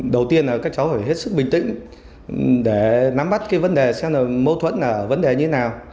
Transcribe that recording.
đầu tiên là các cháu phải hết sức bình tĩnh để nắm bắt cái vấn đề xem là mâu thuẫn là vấn đề như thế nào